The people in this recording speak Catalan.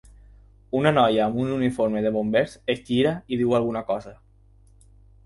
Una noia amb un uniforme de bombers es gira i diu alguna cosa.